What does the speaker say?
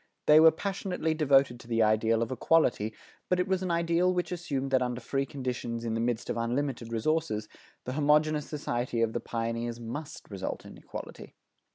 They were passionately devoted to the ideal of equality, but it was an ideal which assumed that under free conditions in the midst of unlimited resources, the homogeneous society of the pioneers must result in equality.